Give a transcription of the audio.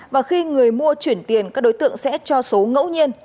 và khi người mua chuyển tiền các đối tượng sẽ cho số ngẫu nhiên